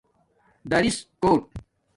دِریس کوٹ